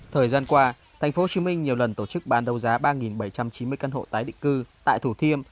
thời gian qua tp hcm nhiều lần tổ chức bán đấu giá ba bảy trăm chín mươi căn hộ tái định cư tại thủ thiêm